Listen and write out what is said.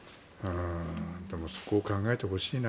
そこを考えてほしいな。